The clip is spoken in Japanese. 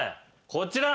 こちら。